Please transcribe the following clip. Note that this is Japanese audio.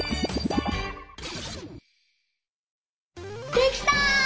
できた！